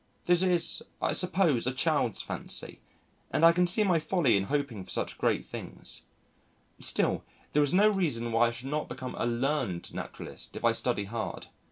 That is, I suppose, a child's fancy, and I can see my folly in hoping for such great things. Still, there is no reason why I should not become a learned naturalist if I study hard.